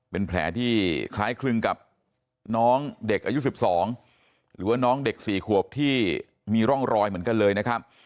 เป็นแผลที่คล้ายคลึงกับน้องเด็กอายุ๑๒หรือว่าน้องเด็ก๔ขวบที่มีร่องรอยเหมือนกันเลยนะครับ